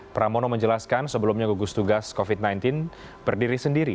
pramono menjelaskan sebelumnya gugus tugas covid sembilan belas berdiri sendiri